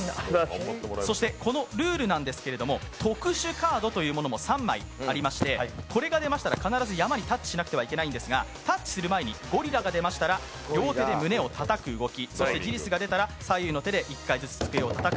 そしてこのルールなんですが特殊カードというものも３枚ありましてこれが出ましたら必ず山にタッチしなければなりませんがタッチする前にゴリラが出ましたら両手で胸をたたく動きそしてジリスが出たら、左右の手で一回ずつ机をたたく。